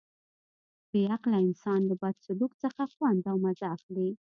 بې عقله انسان له بد سلوک څخه خوند او مزه اخلي.